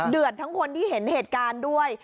เดือดทั้งคนที่เห็นเหตุการณ์ด้วย